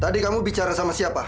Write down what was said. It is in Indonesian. tadi kamu bicara sama siapa